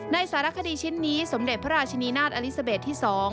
สารคดีชิ้นนี้สมเด็จพระราชนีนาฏอลิซาเบสที่๒